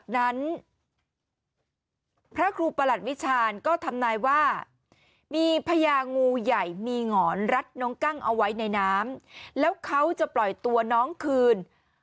มูลใหญ่มีหงอนรัดน้องกล้างเอาไว้ในน้ำแล้วเขาจะปล่อยตัวน้องคืน